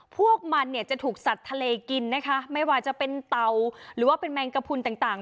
พวกมันเนี่ยจะถูกสัตว์ทะเลกินนะคะไม่ว่าจะเป็นเตาหรือว่าเป็นแมงกระพุนต่างต่าง